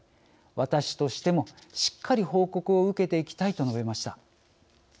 私としてもしっかり報告を受けていきたい」と述べました。